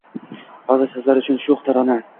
Hozir sizlar uchun sho’x tarona